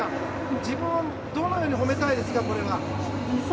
自分をどのように褒めたいですか？